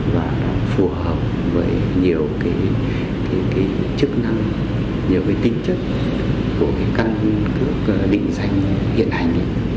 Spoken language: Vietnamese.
và nó phù hợp với nhiều cái chức năng nhiều cái tính chất của cái căn cước định danh hiện hành